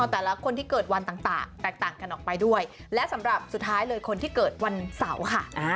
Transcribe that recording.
แต่ละคนที่เกิดวันต่างแตกต่างกันออกไปด้วยและสำหรับสุดท้ายเลยคนที่เกิดวันเสาร์ค่ะ